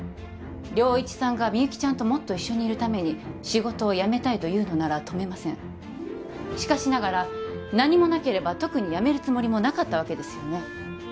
良一さんがみゆきちゃんともっと一緒にいるために仕事を辞めたいというのなら止めませんしかしながら何もなければ特に辞めるつもりもなかったわけですよね？